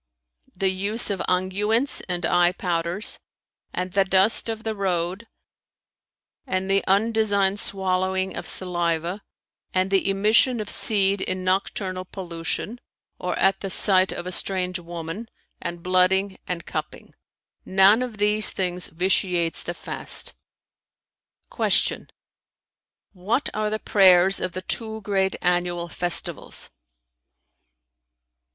"The use of unguents and eye powders and the dust of the road and the undesigned swallowing of saliva and the emission of seed in nocturnal pollution or at the sight of a strange woman and blooding and cupping; none of these things vitiates the fast." Q "What are the prayers of the two great annual Festivals?"